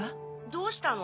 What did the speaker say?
どうしたの？